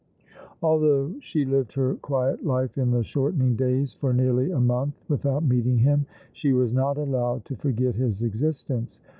Although she lived her quiet life in the shortening days for nearly a month without meeting him, she was not allowed to forget his existence.